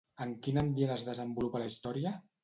En quin ambient es desenvolupa la història?